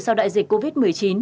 sau đại dịch covid một mươi chín